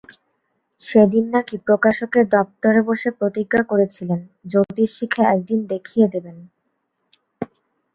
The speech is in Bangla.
সে দিন নাকি প্রকাশকের দপ্তরে বসে প্রতিজ্ঞা করেছিলেন, জ্যোতিষ শিখে এক দিন দেখিয়ে দেবেন।